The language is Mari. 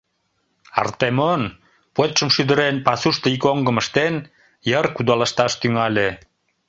Артемон, почшым шӱдырен, пасушто ик оҥгым ыштен, йыр кудалышташ тӱҥале.